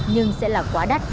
nhưng sẽ là quá đáng